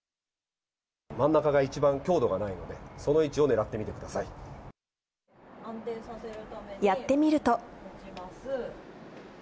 真ん中が一番強度がないので、やってみると。